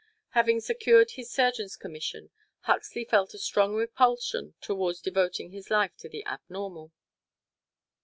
Having secured his surgeon's commission, Huxley felt a strong repulsion toward devoting his life to the abnormal.